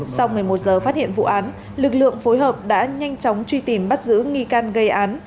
sau một mươi một giờ phát hiện vụ án lực lượng phối hợp đã nhanh chóng truy tìm bắt giữ nghi can gây án